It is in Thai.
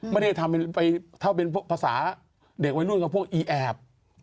ไม่ได้ทำไปถ้าเป็นภาษาเด็กวัยรุ่นกับพวกอีแอบ